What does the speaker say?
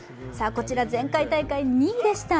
こちら前回大会２位でした。